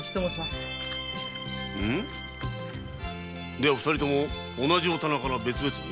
では二人とも同じお店から別々に？